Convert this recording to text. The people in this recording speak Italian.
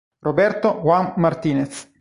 Roberto Juan Martínez